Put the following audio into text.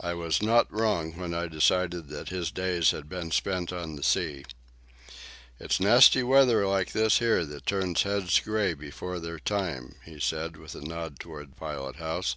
I was not wrong when I decided that his days had been spent on the sea. "It's nasty weather like this here that turns heads grey before their time," he said, with a nod toward the pilot house.